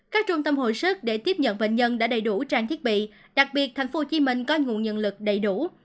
các trung tâm hội sức để tiếp nhận bệnh nhân đã đầy đủ trang thiết bị đặc biệt thành phố hồ chí minh có nguồn nhân lực đầy đủ